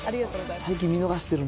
最近見逃してるな。